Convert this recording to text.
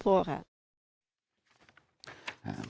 พี่สาวของน้องข้าวหอมนะครับพี่สาวอยู่กับน้องนะครับ